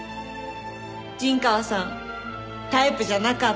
陣川さんタイプじゃなかった。